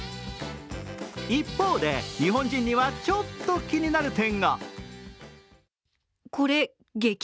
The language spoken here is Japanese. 一方で、日本人にはちょっと気になる点が。